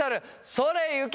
「それゆけ！